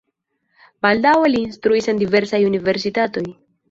Baldaŭe li instruis en diversaj universitatoj.